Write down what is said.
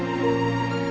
kamu mau ngerti